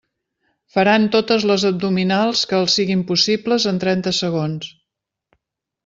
Faran totes les abdominals que els siguin possibles en trenta segons.